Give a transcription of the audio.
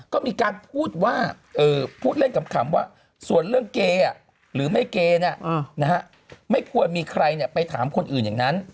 ก็มีการพูดว่าเออพูดเล่นคำว่าส่วนเรื่องเกย์หรือไม่เกย์น่ะ